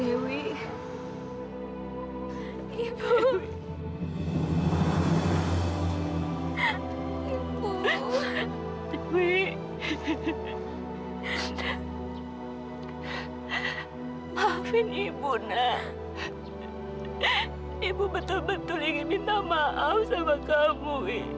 ibu nak ibu betul betul ingin minta maaf sama kamu